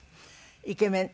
イケメン。